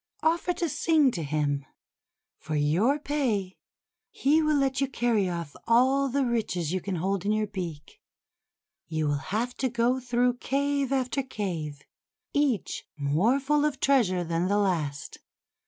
Offer to sing to him. For your pay, he will let you carry off all the riches you can hold in your beak. You will have to go through cave after cave, each more full of treasure than the last.